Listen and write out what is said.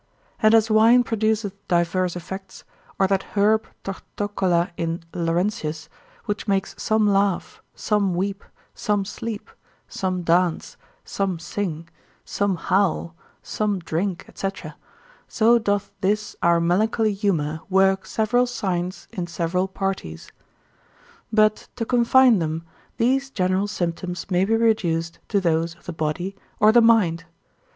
And as wine produceth divers effects, or that herb Tortocolla in Laurentius, which makes some laugh, some weep, some sleep, some dance, some sing, some howl, some drink, &c. so doth this our melancholy humour work several signs in several parties. But to confine them, these general symptoms may be reduced to those of the body or the mind.